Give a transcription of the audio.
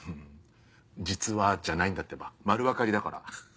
「実は」じゃないんだってば丸分かりだから。